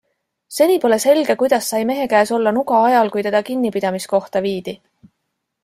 Seni pole selge, kuidas sai mehe käes olla nuga ajal, kui teda kinnipidamiskohta viidi.